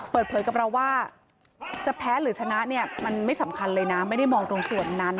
เปิดเผยกับเราว่าจะแพ้หรือชนะเนี่ยมันไม่สำคัญเลยนะไม่ได้มองตรงส่วนนั้น